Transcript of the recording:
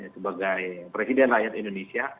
sebagai presiden rakyat indonesia